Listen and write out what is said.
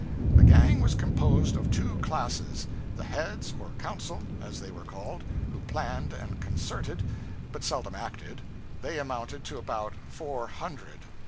The gang was composed of two classes: the Heads or Council, as they were called, who planned and concerted, but seldom acted; they amounted to about four hundred.